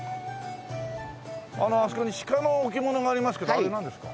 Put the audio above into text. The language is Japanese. あのあそこに鹿の置物がありますけどあれなんですか？